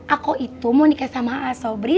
aku itu mau nikah sama sobri